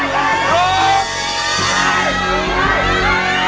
คุณร้องได้ไงล่ะ